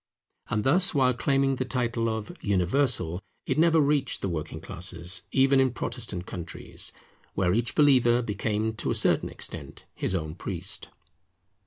And thus, while claiming the title of Universal, it never reached the working classes, even in Protestant countries, where each believer became to a certain extent his own priest.